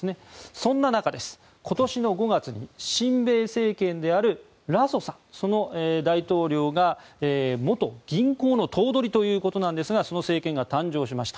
そんな中、今年の５月に親米政権であるラソさんその大統領が元銀行の頭取ということですがその政権が誕生しました。